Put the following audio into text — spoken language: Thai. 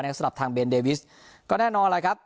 สำหรับทางเบนเดวิสก็แน่นอนแหละครับ